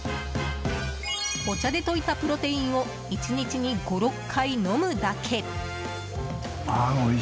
お茶でといたプロテインを１日に５６回飲むだけ。